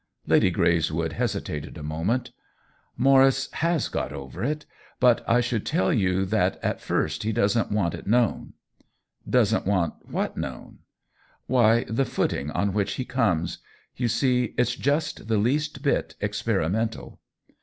Lady Greyswood hesitated a moment. " Maurice has got over it. But I should tell you that at first he doesn't want it known." " Doesn't want what known ?" "Why, the footing on which he comes. You see it's just the least bit experimental."